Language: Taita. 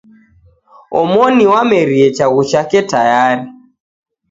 Omoni wamerie chaghu chake tayari